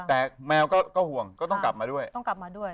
แต่แมวก็ห่วง